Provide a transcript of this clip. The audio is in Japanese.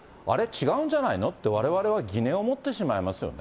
違うんじゃないのと、われわれは疑念を持ってしまいま